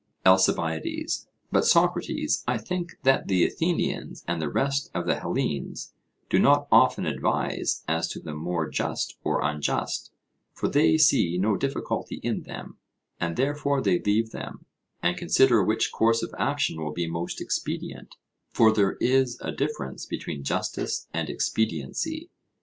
ALCIBIADES: But, Socrates, I think that the Athenians and the rest of the Hellenes do not often advise as to the more just or unjust; for they see no difficulty in them, and therefore they leave them, and consider which course of action will be most expedient; for there is a difference between justice and expediency.